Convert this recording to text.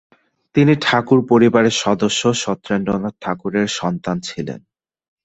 তিনি ঠাকুর পরিবারের সদস্য সত্যেন্দ্রনাথ ঠাকুরের সন্তান ছিলেন।